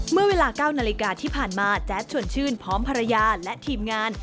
เมื่อเวลา๙นาฬิกาที่ผ่านมาแจ๊ดชวนชื่นพร้อมภรรยาและทีมงาน